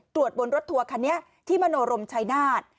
ตรวจบนรถทัวร์คันนี้ที่มโนรมชายนาฏ